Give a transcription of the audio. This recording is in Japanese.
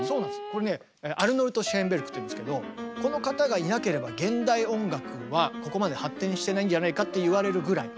これねアルノルト・シェーンベルクっていうんですけどこの方がいなければ現代音楽はここまで発展してないんじゃないかって言われるぐらい。